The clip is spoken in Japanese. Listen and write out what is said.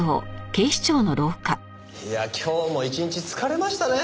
いや今日も一日疲れましたね。